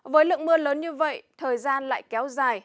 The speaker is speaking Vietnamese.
với lượng mưa lớn như vậy thời gian lại kéo dài